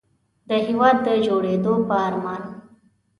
د هېواد د جوړېدو په ارمان.